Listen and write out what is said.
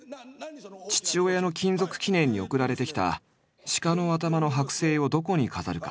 父親の勤続記念に送られてきた鹿の頭のはく製をどこに飾るか？